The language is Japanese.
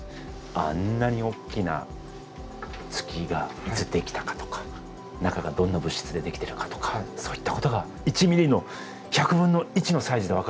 あんなにおっきな月がいつできたかとか中がどんな物質でできてるかとかそういったことが１ｍｍの１００分の１のサイズで分かるんですね。